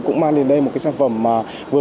cũng mang đến đây một cái sản phẩm vừa